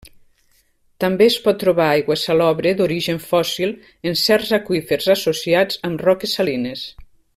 També es pot trobar aigua salobre d'origen fòssil en certs aqüífers associats amb roques salines.